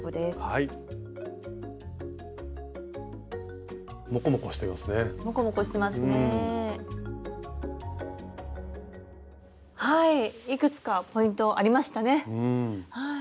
いくつかポイントありましたね。